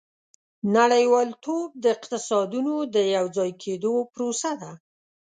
• نړیوالتوب د اقتصادونو د یوځای کېدو پروسه ده.